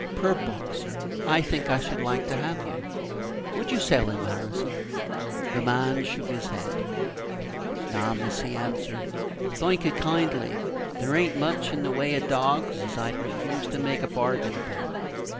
"Poor Boxer! I think I should like to have you. Would you sell him, Harrison?" The man shook his head. "No, miss," he answered, "thank you kindly; there a'n't much in the way of dawgs as I'd refuse to make a bargain about.